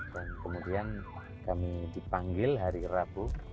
dan kemudian kami dipanggil hari rabu